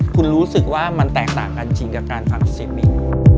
คุณรู้สึกว่ามันแตกต่างกันจริงกับการทำเซมี่